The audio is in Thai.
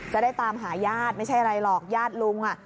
จะได้ตามหาญาติไม่ใช่อะไรหรอกญาติลุงอ่ะ